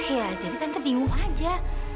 ya jadi tante bingung aja